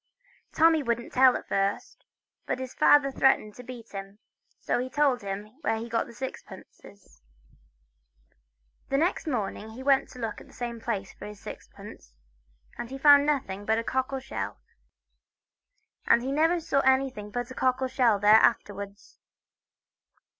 Tommy wouldn't tell at first, but his father threatened to beat him, so he told him where he got his sixpences. Next morning he went to look in the same place for his sixpence, and he found nothing but a cockle shell. And he never saw anything but a cockle shell there afterwards.